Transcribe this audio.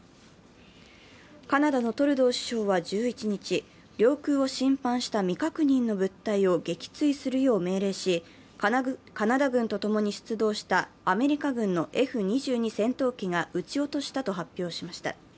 カナダのトルドー首相は１１日、領空を侵犯した未確認の物体を撃墜するよう命令し、カナダ軍と共に出動したアメリカ軍のＦ−２２戦闘機が撃ち落としたと発表しました。